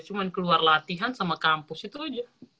cuma keluar latihan sama kampus itu aja